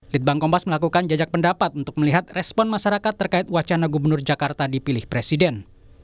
litbang kompas melakukan jajak pendapat untuk melihat respon masyarakat terkait wacana gubernur jakarta dipilih presiden